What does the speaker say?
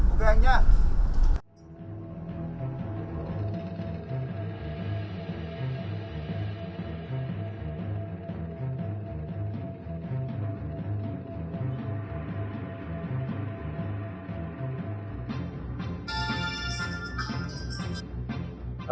ok anh nhá